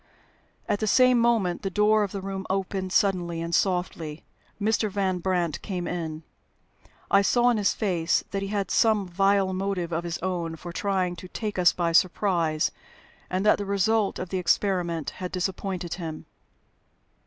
At the same moment the door of the room opened suddenly and softly. Mr. Van Brandt came in. I saw in his face that he had some vile motive of his own for trying to take us by surprise, and that the result of the experiment had disappointed him.